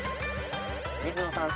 水野さん